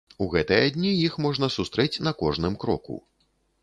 У гэтыя дні іх можна сустрэць на кожным кроку.